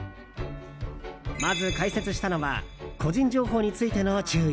まず解説したのは個人情報についての注意。